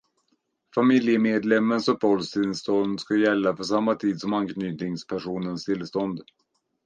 Familjemedlemmens uppehållstillstånd ska gälla för samma tid som anknytningspersonens tillstånd.